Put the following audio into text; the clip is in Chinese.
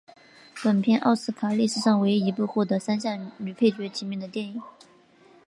本片奥斯卡历史上唯一一部获得三项女配角提名的电影。